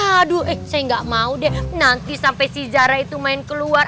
aduh eh saya gak mau deh nanti sampai si zara itu main keluar